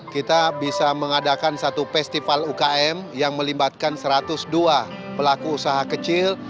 kita bisa mengadakan satu festival ukm yang melibatkan satu ratus dua pelaku usaha kecil